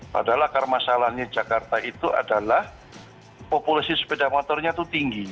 padahal akar masalahnya jakarta itu adalah populasi sepeda motornya itu tinggi